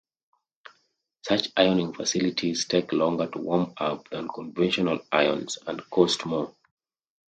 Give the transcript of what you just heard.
Such ironing facilities take longer to warm up than conventional irons, and cost more.